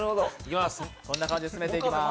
こんな感じで進めていきます。